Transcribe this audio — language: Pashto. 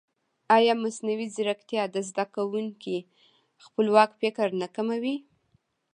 ایا مصنوعي ځیرکتیا د زده کوونکي خپلواک فکر نه کموي؟